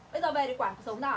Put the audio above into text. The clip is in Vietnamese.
bây giờ về để quản cuộc sống ra hả